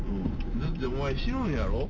だってお前、死ぬんやろ？